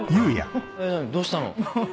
何どうしたの？